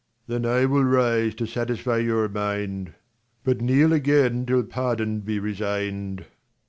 Leir. Then I will rise to satisfy your mind, But kneel again, till pardon be resigned.